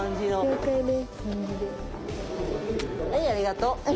ありがとう。